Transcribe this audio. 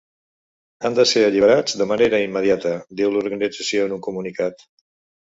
Han de ser alliberats de manera immediata, diu l’organització en un comunicat.